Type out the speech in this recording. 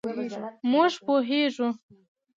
مونږ پوهیږو